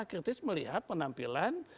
kritis melihat penampilan